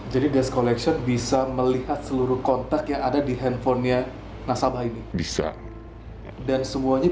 jadi dasarnya saya masih mengerti ya itu perintahnya eeeh